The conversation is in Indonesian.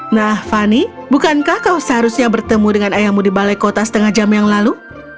nah fani bukankah kau seharusnya bertemu dengan ayahmu di balai kota setengah jam yang lalu